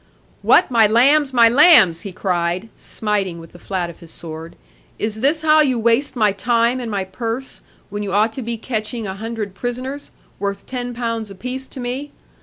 'What, my lambs, my lambs!' he cried, smiting with the flat of his sword; 'is this how you waste my time and my purse, when you ought to be catching a hundred prisoners, worth ten pounds apiece to me?